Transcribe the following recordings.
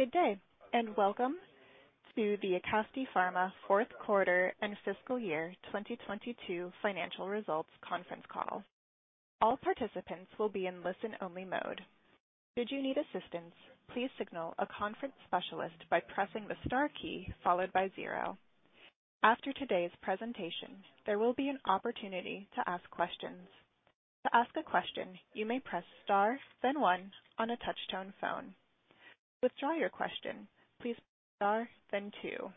Good day, and welcome to the Acasti Pharma Fourth Quarter and Fiscal Year 2022 Financial Results conference call. All participants will be in listen-only mode. Should you need assistance, please signal a conference specialist by pressing the star key followed by zero. After today's presentation, there will be an opportunity to ask questions. To ask a question, you may press star then one on a touch-tone phone. To withdraw your question, please press star then two.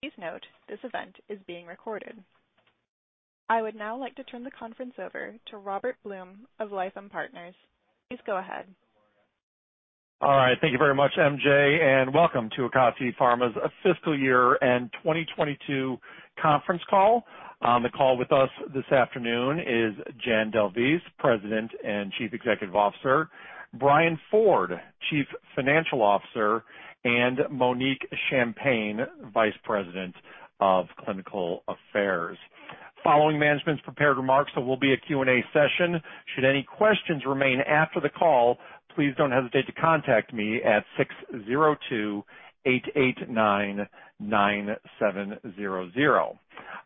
Please note this event is being recorded. I would now like to turn the conference over to Robert Blum of Lytham Partners. Please go ahead. All right. Thank you very much, MJ, and welcome to Acasti Pharma's fiscal year and 2022 conference call. The call with us this afternoon is Jan D'Alvise, President and Chief Executive Officer, Brian Ford, Chief Financial Officer, and Monique Champagne, Vice President of Clinical Affairs. Following management's prepared remarks, there will be a Q&A session. Should any questions remain after the call, please don't hesitate to contact me at 602-889-9700.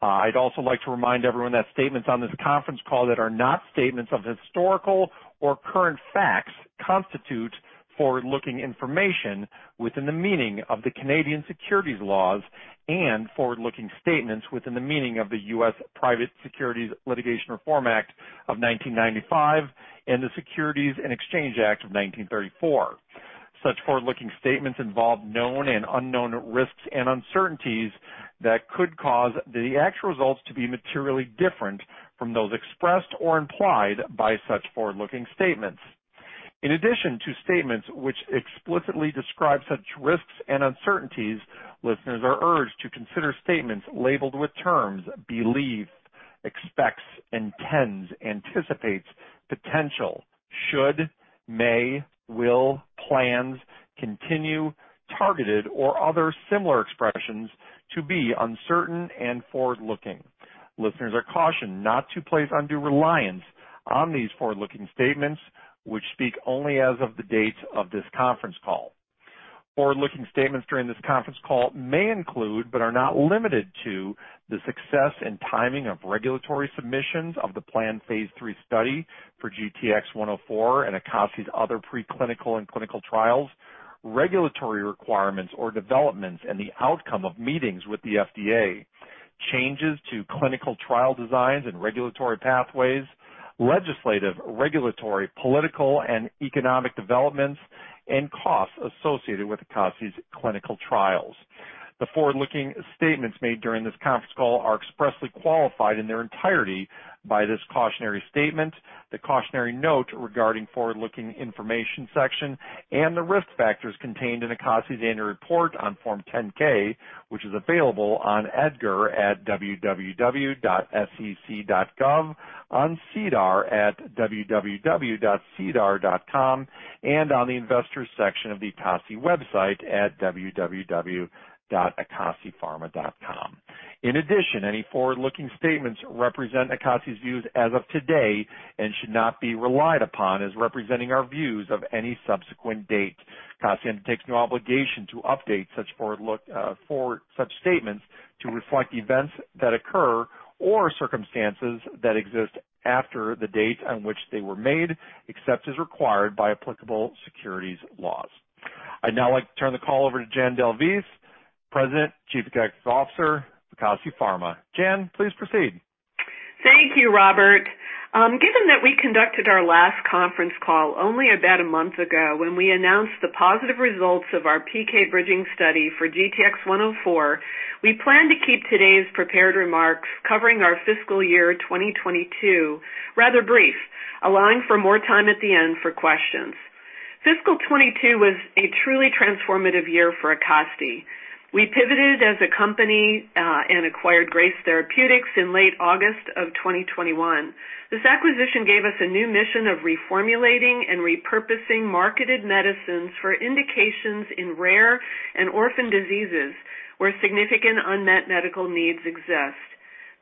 I'd also like to remind everyone that statements on this conference call that are not statements of historical or current facts constitute forward-looking information within the meaning of the Canadian securities laws and forward-looking statements within the meaning of the U.S. Private Securities Litigation Reform Act of 1995 and the Securities Exchange Act of 1934. Such forward-looking statements involve known and unknown risks and uncertainties that could cause the actual results to be materially different from those expressed or implied by such forward-looking statements. In addition to statements which explicitly describe such risks and uncertainties, listeners are urged to consider statements labeled with terms: believe, expects, intends, anticipates, potential, should, may, will, plans, continue, targeted, or other similar expressions to be uncertain and forward-looking. Listeners are cautioned not to place undue reliance on these forward-looking statements, which speak only as of the date of this conference call. Forward-looking statements during this conference call may include, but are not limited to, the success and timing of regulatory submissions of the planned Phase 3 study for GTX-104 and Acasti's other preclinical and clinical trials, regulatory requirements or developments in the outcome of meetings with the FDA, changes to clinical trial designs and regulatory pathways, legislative, regulatory, political and economic developments, and costs associated with Acasti's clinical trials. The forward-looking statements made during this conference call are expressly qualified in their entirety by this cautionary statement, the cautionary note regarding forward-looking information section, and the risk factors contained in Acasti's annual report on Form 10-K, which is available on EDGAR at www.sec.gov, on SEDAR at www.sedar.com, and on the investors section of the Acasti website at www.acastipharma.com. In addition, any forward-looking statements represent Acasti's views as of today and should not be relied upon as representing our views of any subsequent date. Acasti undertakes no obligation to update such forward-looking statements to reflect events that occur or circumstances that exist after the date on which they were made, except as required by applicable securities laws. I'd now like to turn the call over to Jan D'Alvise, President and Chief Executive Officer, Acasti Pharma. Jan, please proceed. Thank you, Robert. Given that we conducted our last conference call only about a month ago when we announced the positive results of our PK bridging study for GTX-104, we plan to keep today's prepared remarks covering our fiscal year 2022 rather brief, allowing for more time at the end for questions. Fiscal 2022 was a truly transformative year for Acasti. We pivoted as a company and acquired Grace Therapeutics in late August of 2021. This acquisition gave us a new mission of reformulating and repurposing marketed medicines for indications in rare and orphan diseases where significant unmet medical needs exist.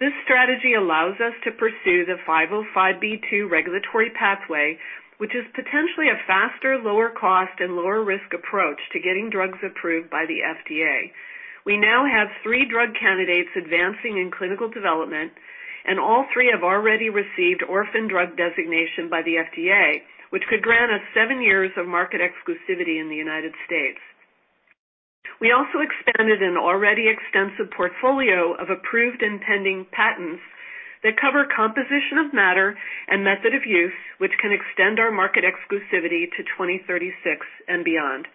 This strategy allows us to pursue the FDA 505(b)(2) regulatory pathway, which is potentially a faster, lower cost and lower risk approach to getting drugs approved by the FDA. We now have three drug candidates advancing in clinical development, and all three have already received orphan drug designation by the FDA, which could grant us seven years of market exclusivity in the United States. We also expanded an already extensive portfolio of approved and pending patents that cover composition of matter and method of use, which can extend our market exclusivity to 2036 and beyond.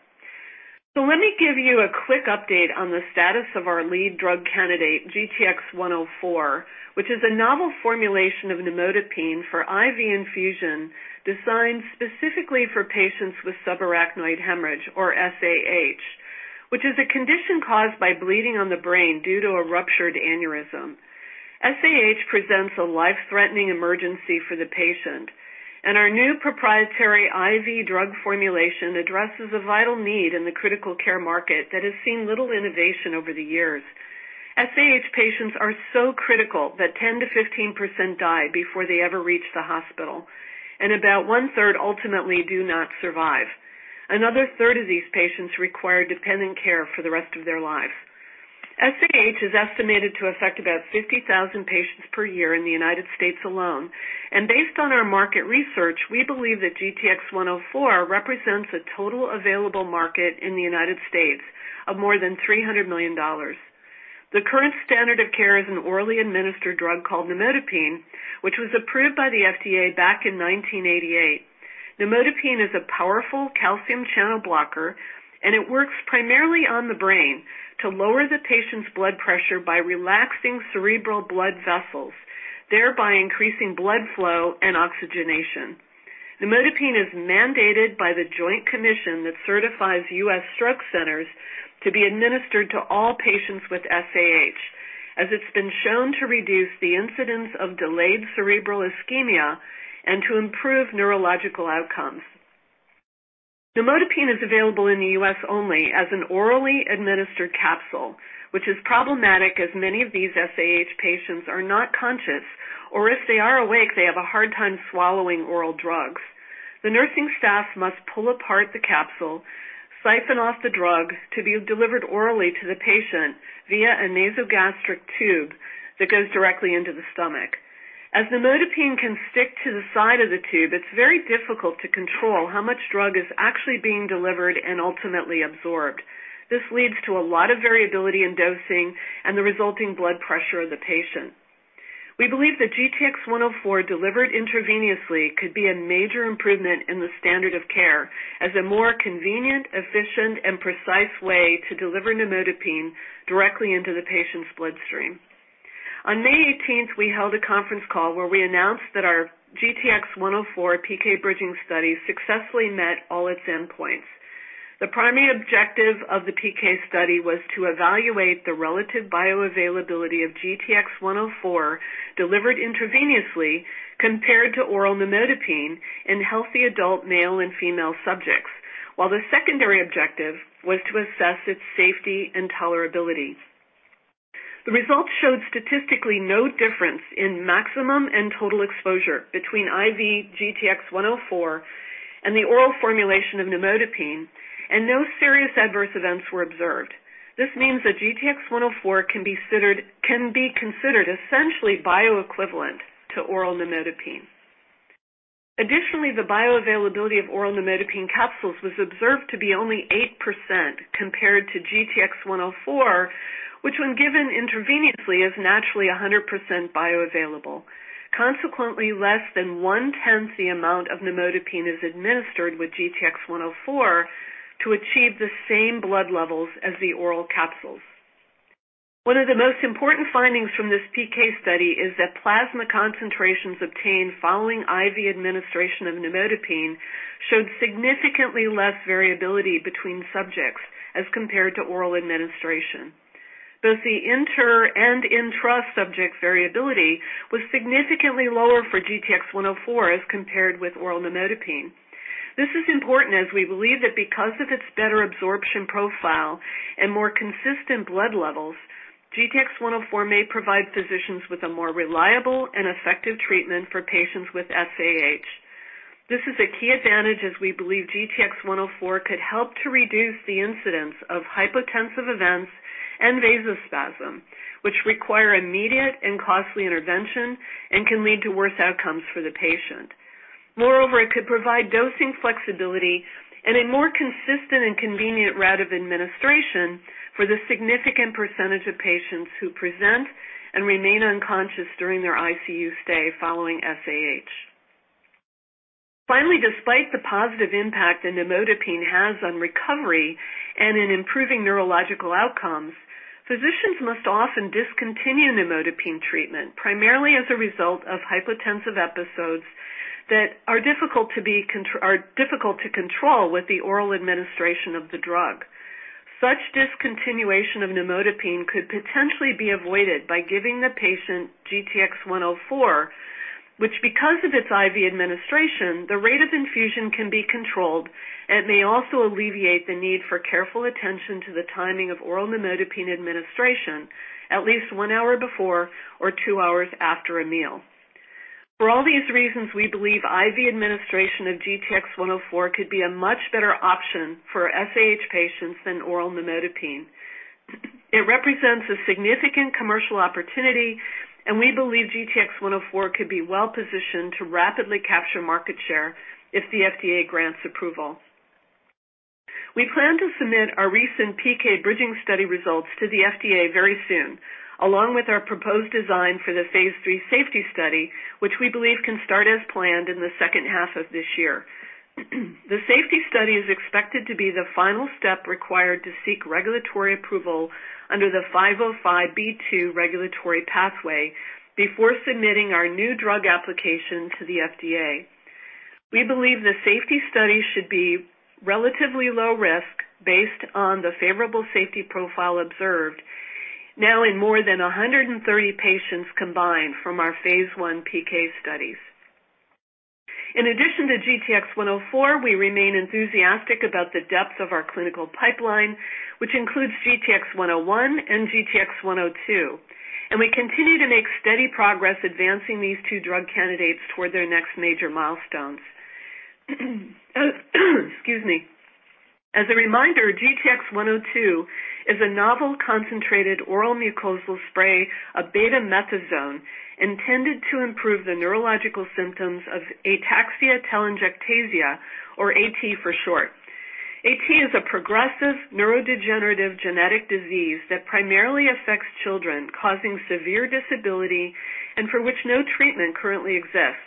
Let me give you a quick update on the status of our lead drug candidate, GTX-104, which is a novel formulation of nimodipine for IV infusion, designed specifically for patients with subarachnoid hemorrhage or SAH, which is a condition caused by bleeding on the brain due to a ruptured aneurysm. SAH presents a life-threatening emergency for the patient, and our new proprietary IV drug formulation addresses a vital need in the critical care market that has seen little innovation over the years. SAH patients are so critical that 10%-15% die before they ever reach the hospital, and about one-third ultimately do not survive. Another third of these patients require dependent care for the rest of their lives. SAH is estimated to affect about 50,000 patients per year in the United States alone. Based on our market research, we believe that GTX-104 represents a total available market in the United States of more than $300 million. The current standard of care is an orally administered drug called nimodipine, which was approved by the FDA back in 1988. Nimodipine is a powerful calcium channel blocker, and it works primarily on the brain to lower the patient's blood pressure by relaxing cerebral blood vessels, thereby increasing blood flow and oxygenation. Nimodipine is mandated by the Joint Commission that certifies U.S. stroke centers to be administered to all patients with SAH, as it's been shown to reduce the incidence of delayed cerebral ischemia and to improve neurological outcomes. Nimodipine is available in the U.S. only as an orally administered capsule, which is problematic as many of these SAH patients are not conscious, or if they are awake, they have a hard time swallowing oral drugs. The nursing staff must pull apart the capsule, siphon off the drug to be delivered orally to the patient via a nasogastric tube that goes directly into the stomach. As nimodipine can stick to the side of the tube, it's very difficult to control how much drug is actually being delivered and ultimately absorbed. This leads to a lot of variability in dosing and the resulting blood pressure of the patient. We believe that GTX-104 delivered intravenously could be a major improvement in the standard of care as a more convenient, efficient, and precise way to deliver nimodipine directly into the patient's bloodstream. On May 18th, we held a conference call where we announced that our GTX-104 PK bridging study successfully met all its endpoints. The primary objective of the PK study was to evaluate the relative bioavailability of GTX-104 delivered intravenously compared to oral nimodipine in healthy adult male and female subjects. While the secondary objective was to assess its safety and tolerability. The results showed statistically no difference in maximum and total exposure between IV GTX-104 and the oral formulation of nimodipine, and no serious adverse events were observed. This means that GTX-104 can be considered essentially bioequivalent to oral nimodipine. Additionally, the bioavailability of oral nimodipine capsules was observed to be only 8% compared to GTX-104, which, when given intravenously, is naturally 100% bioavailable. Consequently, less than one-tenth the amount of nimodipine is administered with GTX-104 to achieve the same blood levels as the oral capsules. One of the most important findings from this PK study is that plasma concentrations obtained following IV administration of nimodipine showed significantly less variability between subjects as compared to oral administration. Both the inter and intra-subject variability was significantly lower for GTX-104 as compared with oral nimodipine. This is important as we believe that because of its better absorption profile and more consistent blood levels, GTX-104 may provide physicians with a more reliable and effective treatment for patients with SAH. This is a key advantage as we believe GTX-104 could help to reduce the incidence of hypotensive events and vasospasm, which require immediate and costly intervention and can lead to worse outcomes for the patient. Moreover, it could provide dosing flexibility and a more consistent and convenient route of administration for the significant percentage of patients who present and remain unconscious during their ICU stay following SAH. Finally, despite the positive impact that nimodipine has on recovery and in improving neurological outcomes, physicians must often discontinue nimodipine treatment, primarily as a result of hypotensive episodes that are difficult to control with the oral administration of the drug. Such discontinuation of nimodipine could potentially be avoided by giving the patient GTX-104, which, because of its IV administration, the rate of infusion can be controlled and may also alleviate the need for careful attention to the timing of oral nimodipine administration at least one hour before or two hours after a meal. For all these reasons, we believe IV administration of GTX-104 could be a much better option for SAH patients than oral nimodipine. It represents a significant commercial opportunity, and we believe GTX-104 could be well-positioned to rapidly capture market share if the FDA grants approval. We plan to submit our recent PK bridging study results to the FDA very soon, along with our proposed design for the Phase 3 safety study, which we believe can start as planned in the second half of this year. The safety study is expected to be the final step required to seek regulatory approval under the 505(b)(2) regulatory pathway before submitting our new drug application to the FDA. We believe the safety study should be relatively low risk based on the favorable safety profile observed now in more than 130 patients combined from our Phase 1 PK studies. In addition to GTX-104, we remain enthusiastic about the depth of our clinical pipeline, which includes GTX-101 and GTX-102, and we continue to make steady progress advancing these two drug candidates toward their next major milestones. Excuse me. As a reminder, GTX-102 is a novel concentrated oral mucosal spray of betamethasone intended to improve the neurological symptoms of ataxia telangiectasia, or A-T for short. A-T is a progressive neurodegenerative genetic disease that primarily affects children, causing severe disability and for which no treatment currently exists.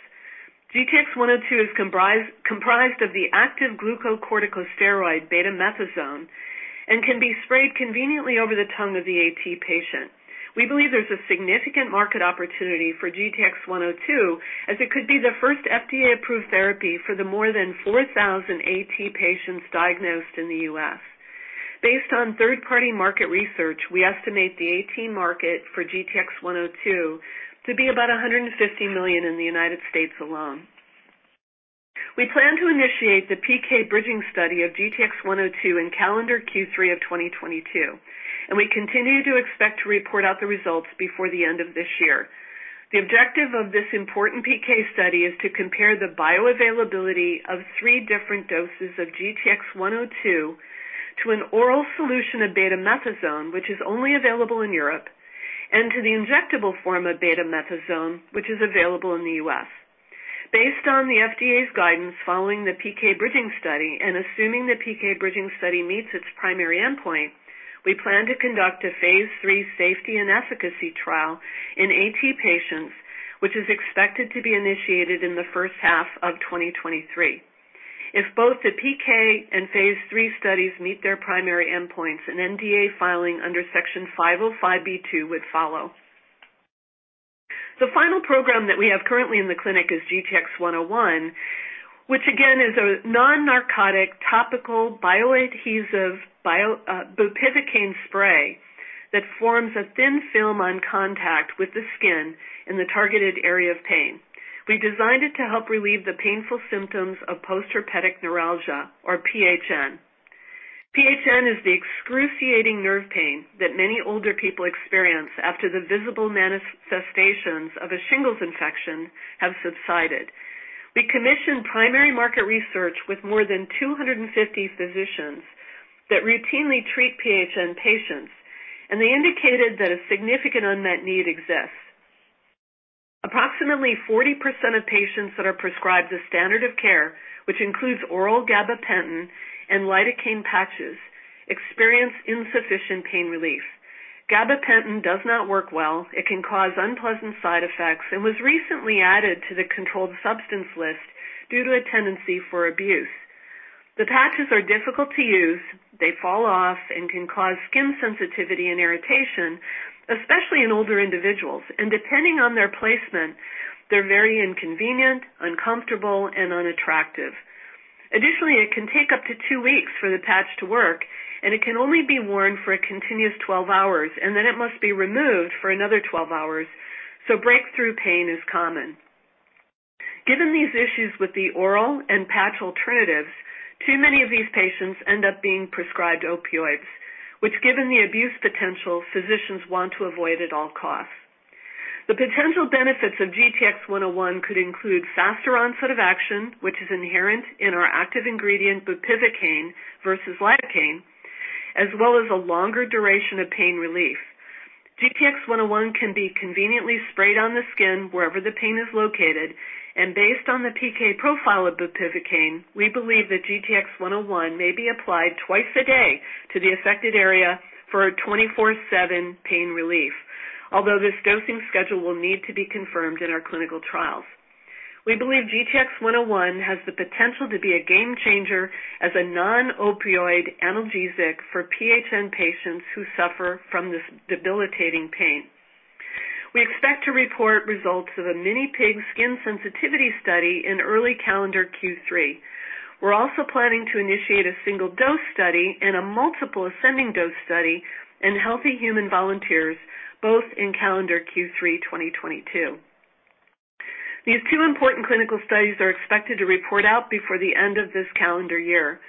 GTX-102 is comprised of the active glucocorticosteroid betamethasone and can be sprayed conveniently over the tongue of the A-T patient. We believe there's a significant market opportunity for GTX-102, as it could be the first FDA-approved therapy for the more than 4,000 A-T patients diagnosed in the U.S. Based on third-party market research, we estimate the A-T market for GTX-102 to be about $150 million in the United States alone. We plan to initiate the PK bridging study of GTX-102 in calendar Q3 of 2022, and we continue to expect to report out the results before the end of this year. The objective of this important PK study is to compare the bioavailability of three different doses of GTX-102 to an oral solution of betamethasone, which is only available in Europe, and to the injectable form of betamethasone, which is available in the U.S. Based on the FDA's guidance following the PK bridging study, and assuming the PK bridging study meets its primary endpoint, we plan to conduct a Phase 3 safety and efficacy trial in A-T patients, which is expected to be initiated in the first half of 2023. If both the PK and Phase 3 studies meet their primary endpoints, an NDA filing under Section 505(b)(2) would follow. The final program that we have currently in the clinic is GTX-101, which again is a non-narcotic, topical, bioadhesive bupivacaine spray that forms a thin film on contact with the skin in the targeted area of pain. We designed it to help relieve the painful symptoms of postherpetic neuralgia, or PHN. PHN is the excruciating nerve pain that many older people experience after the visible manifestations of a shingles infection have subsided. We commissioned primary market research with more than 250 physicians that routinely treat PHN patients, and they indicated that a significant unmet need exists. Approximately 40% of patients that are prescribed the standard of care, which includes oral gabapentin and lidocaine patches, experience insufficient pain relief. Gabapentin does not work well. It can cause unpleasant side effects, and was recently added to the controlled substance list due to a tendency for abuse. The patches are difficult to use. They fall off and can cause skin sensitivity and irritation, especially in older individuals. Depending on their placement, they're very inconvenient, uncomfortable, and unattractive. Additionally, it can take up to two weeks for the patch to work, and it can only be worn for a continuous 12 hours, and then it must be removed for another 12 hours, so breakthrough pain is common. Given these issues with the oral and patch alternatives, too many of these patients end up being prescribed opioids, which, given the abuse potential, physicians want to avoid at all costs. The potential benefits of GTX-101 could include faster onset of action, which is inherent in our active ingredient bupivacaine versus lidocaine, as well as a longer duration of pain relief. GTX-101 can be conveniently sprayed on the skin wherever the pain is located. Based on the PK profile of bupivacaine, we believe that GTX-101 may be applied twice a day to the affected area for a 24/7 pain relief. Although this dosing schedule will need to be confirmed in our clinical trials. We believe GTX-101 has the potential to be a game changer as a non-opioid analgesic for PHN patients who suffer from this debilitating pain. We expect to report results of a minipig skin sensitivity study in early calendar Q3. We're also planning to initiate a single dose study and a multiple ascending dose study in healthy human volunteers, both in calendar Q3 2022. These two important clinical studies are expected to report out before the end of this calendar year.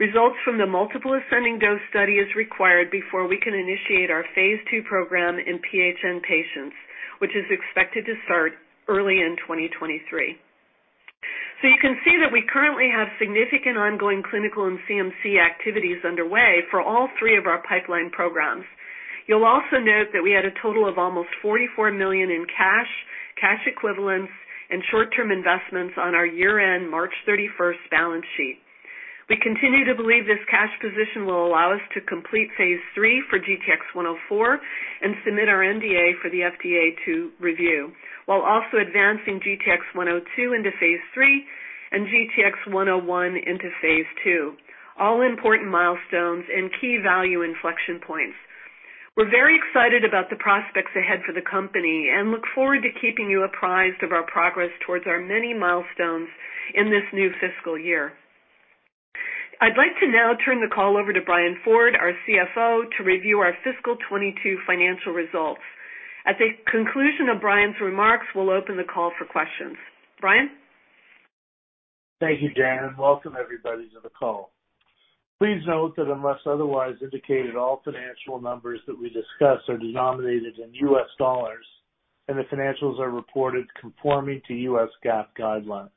Results from the multiple ascending dose study is required before we can initiate our Phase 2 program in PHN patients, which is expected to start early in 2023. You can see that we currently have significant ongoing clinical and CMC activities underway for all three of our pipeline programs. You'll also note that we had a total of almost $44 million in cash, cash equivalents, and short-term investments on our year-end March 31st balance sheet. We continue to believe this cash position will allow us to complete Phase 3 for GTX-104 and submit our NDA for the FDA to review, while also advancing GTX-102 into Phase 3 and GTX-101 into Phase 2. All important milestones and key value inflection points. We're very excited about the prospects ahead for the company and look forward to keeping you apprised of our progress towards our many milestones in this new fiscal year. I'd like to now turn the call over to Brian Ford, our CFO, to review our fiscal 2022 financial results. At the conclusion of Brian's remarks, we'll open the call for questions. Brian? Thank you, Jan. Welcome everybody to the call. Please note that unless otherwise indicated, all financial numbers that we discuss are denominated in USD, and the financials are reported conforming to U.S. GAAP guidelines.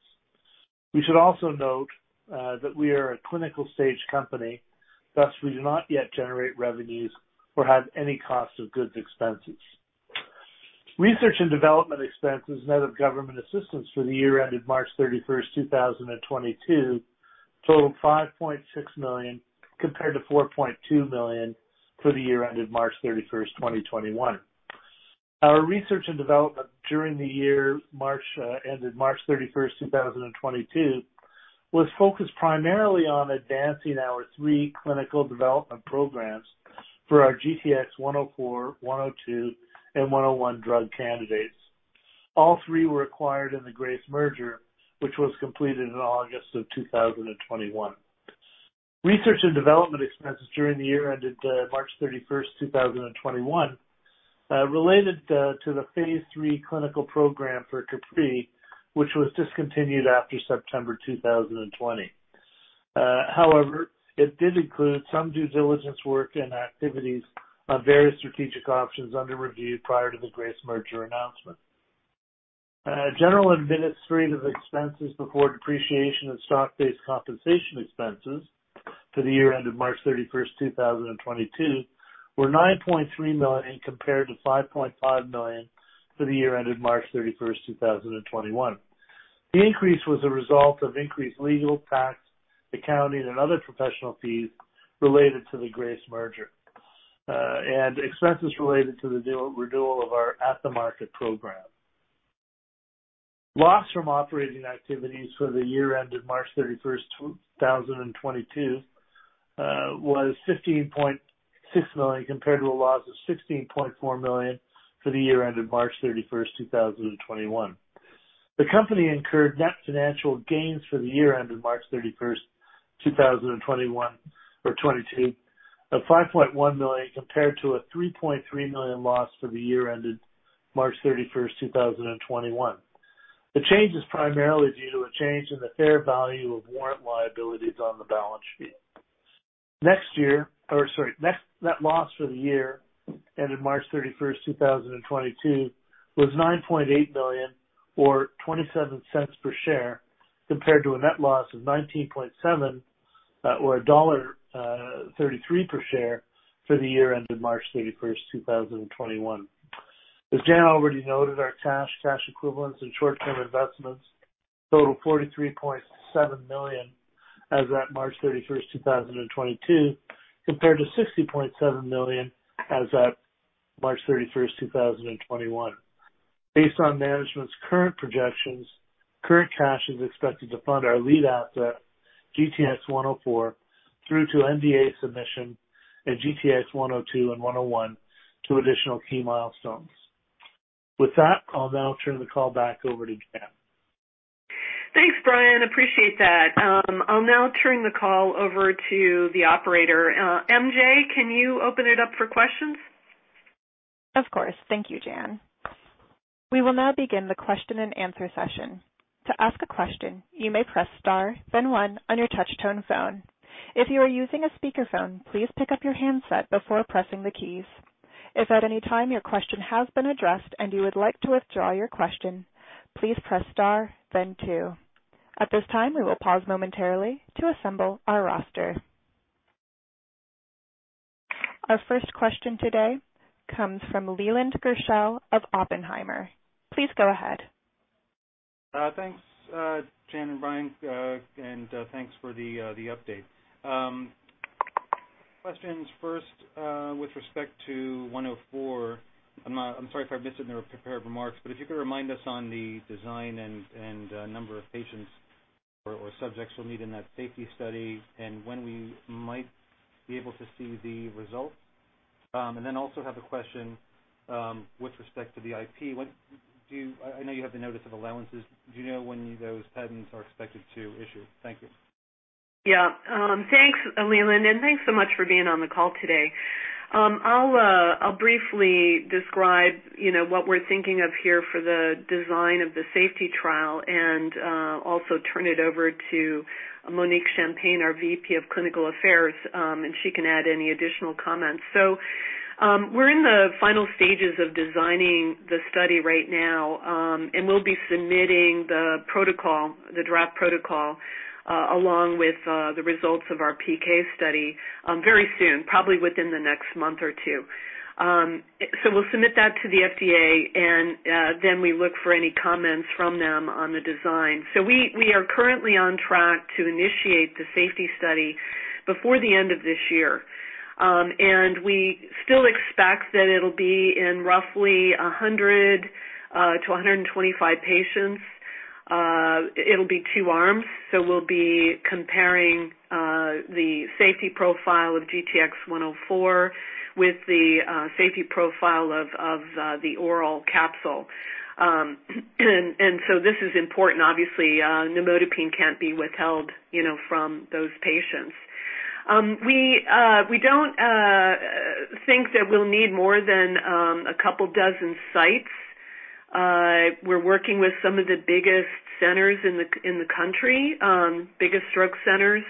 You should also note, that we are a clinical stage company, thus we do not yet generate revenues or have any cost of goods expenses. Research and development expenses net of government assistance for the year ended March 31st, 2022 totaled $5.6 million, compared to $4.2 million for the year ended March 31st, 2021. Our research and development during the year ended March 31st, 2022 was focused primarily on advancing our three clinical development programs for our GTX-104, GTX-102, and GTX-101 drug candidates. All three were acquired in the Grace merger, which was completed in August 2021. Research and development expenses during the year ended March 31st, 2021, related to the Phase 3 clinical program for CaPre, which was discontinued after September 2020. However, it did include some due diligence work and activities on various strategic options under review prior to the Grace merger announcement. General administrative expenses before depreciation of stock-based compensation expenses for the year ended March 31st, 2022 were $9.3 million compared to $5.5 million for the year ended March 31st, 2021. The increase was a result of increased legal, tax, accounting, and other professional fees related to the Grace merger and expenses related to the deal renewal of our at-the-market program. Loss from operating activities for the year ended March 31st, 2022, was $15.6 million compared to a loss of $16.4 million for the year ended March 31st, 2021. The company incurred net financial gains for the year ended March 31st, 2022, of $5.1 million compared to a $3.3 million loss for the year ended March 31st, 2021. The change is primarily due to a change in the fair value of warrant liabilities on the balance sheet. Next, net loss for the year ended March 31st, 2022 was $9.8 million or $0.27 per share, compared to a net loss of $19.7 or $1.33 per share for the year ended March 31st, 2021. As Jan already noted, our cash equivalents, and short-term investments total $43.7 million as at March 31st, 2022, compared to $60.7 million as at March 31st, 2021. Based on management's current projections, current cash is expected to fund our lead asset, GTX-104, through to NDA submission and GTX-102 and GTX-101 to additional key milestones. With that, I'll now turn the call back over to Jan. Thanks, Brian. Appreciate that. I'll now turn the call over to the operator. MJ, can you open it up for questions? Of course. Thank you, Jan. We will now begin the question-and-answer session. To ask a question, you may press star then one on your touch-tone phone. If you are using a speakerphone, please pick up your handset before pressing the keys. If at any time your question has been addressed and you would like to withdraw your question, please press star then two. At this time, we will pause momentarily to assemble our roster. Our first question today comes from Leland Gershell of Oppenheimer. Please go ahead. Thanks, Jan and Brian, and thanks for the update. Questions first with respect to GTX-104. I'm sorry if I missed it in the prepared remarks, but if you could remind us on the design and number of patients or subjects you'll need in that safety study and when we might be able to see the results. And then also have a question with respect to the IP. I know you have the notice of allowances. Do you know when those patents are expected to issue? Thank you. Yeah. Thanks, Leland, and thanks so much for being on the call today. I'll briefly describe, you know, what we're thinking of here for the design of the safety trial and also turn it over to Monique Champagne, our VP of Clinical Affairs, and she can add any additional comments. We're in the final stages of designing the study right now, and we'll be submitting the protocol, the draft protocol, along with the results of our PK study, very soon, probably within the next month or two. We'll submit that to the FDA, and then we look for any comments from them on the design. We are currently on track to initiate the safety study before the end of this year. We still expect that it'll be in roughly 100-125 patients. It'll be two arms, so we'll be comparing the safety profile of GTX-104 with the safety profile of the oral capsule. This is important. Obviously, nimodipine can't be withheld, you know, from those patients. We don't think that we'll need more than a couple dozen sites. We're working with some of the biggest centers in the country, biggest stroke centers.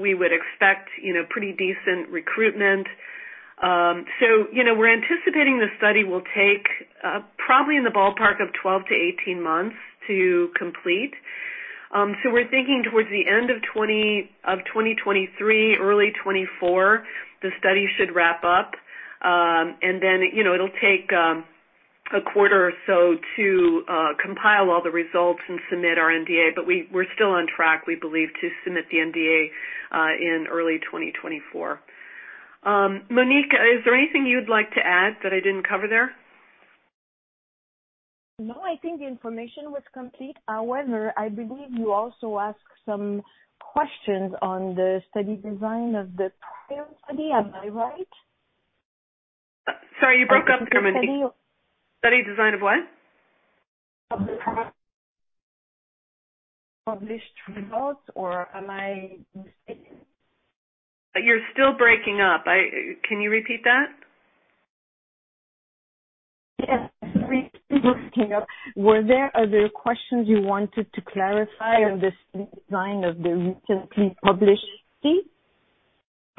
We would expect, you know, pretty decent recruitment. You know, we're anticipating the study will take probably in the ballpark of 12-18 months to complete. We're thinking towards the end of 2023, early 2024, the study should wrap up. You know, it'll take a quarter or so to compile all the results and submit our NDA, but we're still on track, we believe, to submit the NDA in early 2024. Monique, is there anything you'd like to add that I didn't cover there? No, I think the information was complete. However, I believe you also asked some questions on the study design of the trial study. Am I right? Sorry, you broke up. Study design of what? Of the published results, or am I mistaken? You're still breaking up. Can you repeat that? Yes. Were there other questions you wanted to clarify on this design of the recently published study?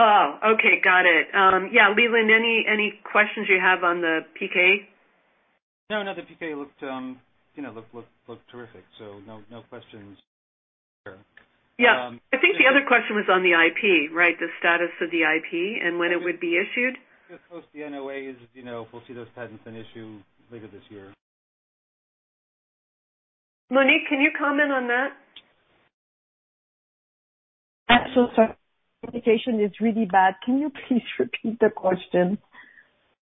Oh, okay. Got it. Yeah, Leland, any questions you have on the PK? No, the PK looked, you know, terrific. No questions. Yeah. I think the other question was on the IP, right? The status of the IP and when it would be issued. Just post the NOA is, you know, we'll see those patents in issue later this year. Monique, can you comment on that? I'm so sorry. Communication is really bad. Can you please repeat the question?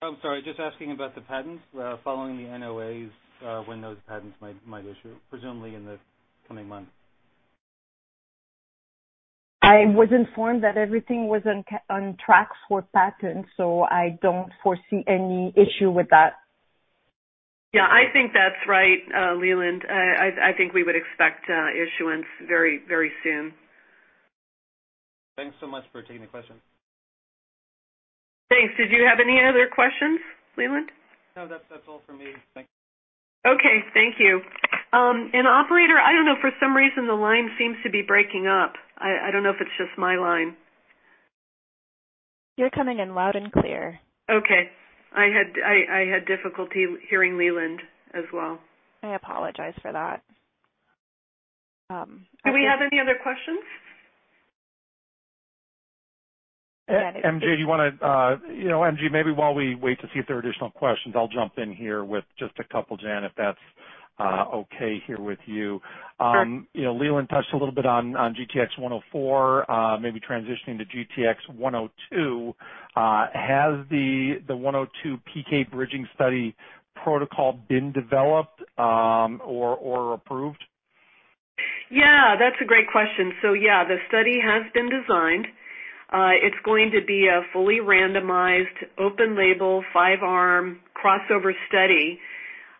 I'm sorry. Just asking about the patents following the NOAs, when those patents might issue, presumably in the coming months. I was informed that everything was on track for patent, so I don't foresee any issue with that. Yeah, I think that's right, Leland. I think we would expect issuance very, very soon. Thanks so much for taking the question. Thanks. Did you have any other questions, Leland? No, that's all for me. Thank you. Okay. Thank you. Operator, I don't know. For some reason, the line seems to be breaking up. I don't know if it's just my line. You're coming in loud and clear. Okay. I had difficulty hearing Leland as well. I apologize for that. Do we have any other questions? MJ, do you wanna, you know, MJ, maybe while we wait to see if there are additional questions, I'll jump in here with just a couple, Jan, if that's okay here with you. Sure. You know, Leland touched a little bit on GTX-104, maybe transitioning to GTX-102. Has the GTX-102 PK bridging study protocol been developed, or approved? Yeah, that's a great question. Yeah, the study has been designed. It's going to be a fully randomized, open label, five-arm crossover study.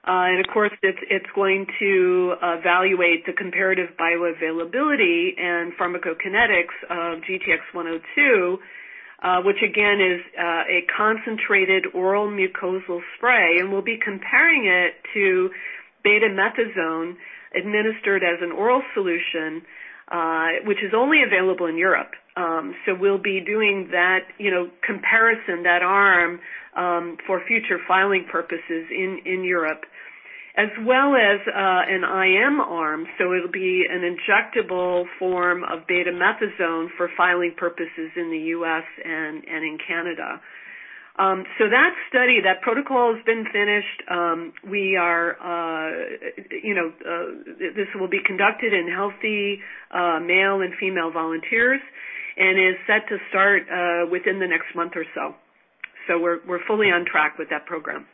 Of course, it's going to evaluate the comparative bioavailability and pharmacokinetics of GTX-102, which again is a concentrated oral-mucosal spray. We'll be comparing it to betamethasone administered as an oral solution, which is only available in Europe. We'll be doing that, you know, comparison, that arm, for future filing purposes in Europe. As well as an IM arm. It'll be an injectable form of betamethasone for filing purposes in the U.S. and in Canada. That study, that protocol has been finished. We are, you know, this will be conducted in healthy male and female volunteers and is set to start within the next month or so. We're fully on track with that program.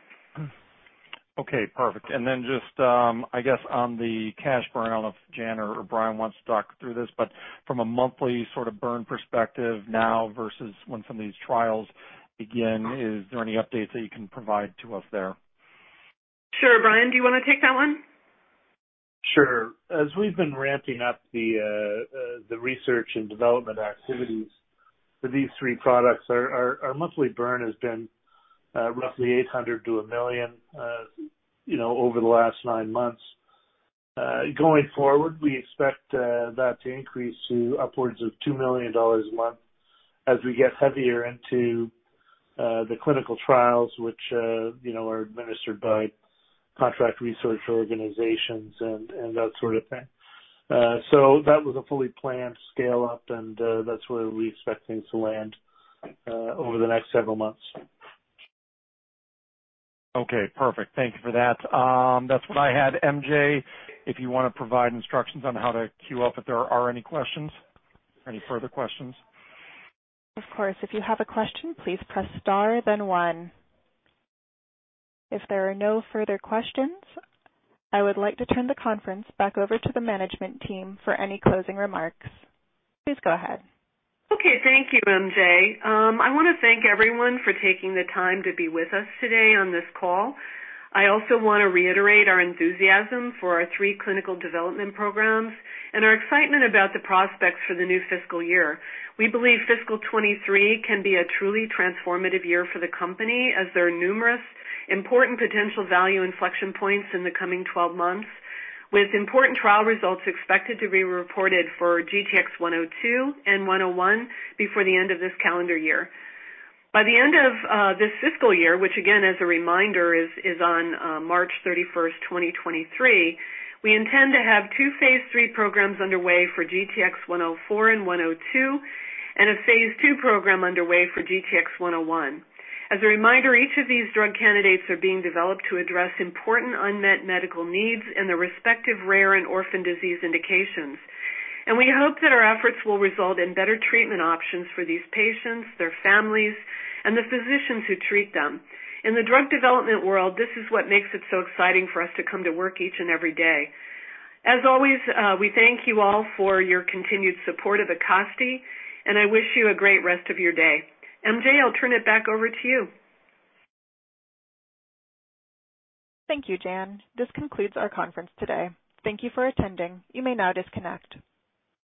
Okay, perfect. Just, I guess on the cash burn, I don't know if Jan or Brian wants to talk through this, but from a monthly sort of burn perspective now versus when some of these trials begin, is there any updates that you can provide to us there? Sure. Brian, do you wanna take that one? Sure. As we've been ramping up the research and development activities for these three products, our monthly burn has been roughly $800,000-$1 million, you know, over the last nine months. Going forward, we expect that to increase to upwards of $2 million a month as we get heavier into the clinical trials, which, you know, are administered by contract research organizations and that sort of thing. That was a fully planned scale up, and that's where we expect things to land over the next several months. Okay, perfect. Thank you for that. That's what I had. MJ, if you wanna provide instructions on how to queue up if there are any questions, any further questions. Of course. If you have a question, please press star, then one. If there are no further questions, I would like to turn the conference back over to the management team for any closing remarks. Please go ahead. Okay. Thank you, MJ. I wanna thank everyone for taking the time to be with us today on this call. I also wanna reiterate our enthusiasm for our three clinical development programs and our excitement about the prospects for the new fiscal year. We believe fiscal 2023 can be a truly transformative year for the company, as there are numerous important potential value inflection points in the coming 12 months, with important trial results expected to be reported for GTX-102 and GTX-101 before the end of this calendar year. By the end of this fiscal year, which again as a reminder is on March 31st, 2023, we intend to have two Phase 3 programs underway for GTX-104 and GTX-102, and a Phase 2 program underway for GTX-101. As a reminder, each of these drug candidates are being developed to address important unmet medical needs in the respective rare and orphan disease indications. We hope that our efforts will result in better treatment options for these patients, their families, and the physicians who treat them. In the drug development world, this is what makes it so exciting for us to come to work each and every day. As always, we thank you all for your continued support of Acasti, and I wish you a great rest of your day. MJ, I'll turn it back over to you. Thank you, Jan. This concludes our conference today. Thank you for attending. You may now disconnect.